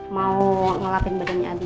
mau ngelapin badannya abin